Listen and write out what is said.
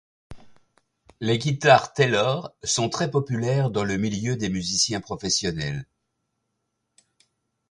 Les guitares Taylor sont très populaires dans le milieu des musiciens professionnels.